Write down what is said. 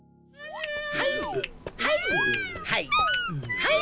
はい！